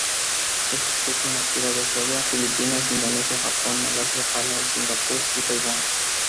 Es especie nativa de Australia, Filipinas, Indonesia, Japón, Malasia, Palaos, Singapur y Taiwán.